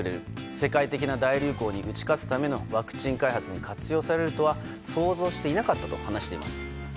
世界的な大流行に打ち勝つためのワクチン開発に使われるとは想像していなかったと話しています。